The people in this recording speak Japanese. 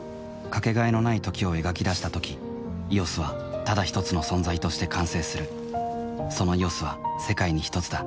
かけがえのない「時」を描き出したとき「ＥＯＳ」はただひとつの存在として完成するその「ＥＯＳ」は世界にひとつだ